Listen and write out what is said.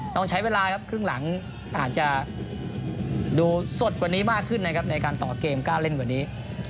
ต้องใช้เวลาครับครึ่งหลังอาจจะดูสดกว่านี้มากขึ้นนะครับในการต่อเกมกล้าเล่นกว่านี้